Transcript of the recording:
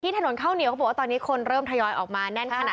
ที่ถนนเข้าเหนียวเขาบอกว่าตอนนี้คนเริ่มทยอยออกมา